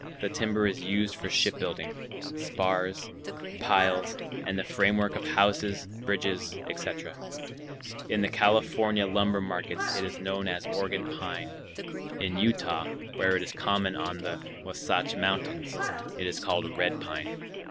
The timber is used for shipbuilding, spars, piles, and the framework of houses, bridges, etc. In the California lumber markets it is known as "Oregon pine." In Utah, where it is common on the Wahsatch Mountains, it is called "red pine."